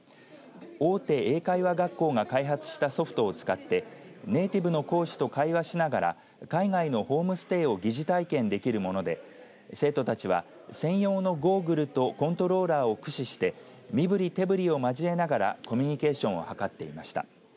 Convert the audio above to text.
大手英会話学校が開発したソフトを使ってネイティブの講師と会話しながら海外のホームステイを疑似体験できるもので生徒たちは専用のゴーグルとコントローラーを駆使して身ぶり手ぶりを交えながらコミュニケーションを図っていました。